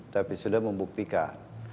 tapi sudah membuktikan